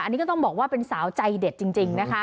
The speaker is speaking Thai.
อันนี้ก็ต้องบอกว่าเป็นสาวใจเด็ดจริงนะคะ